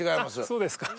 そうですか。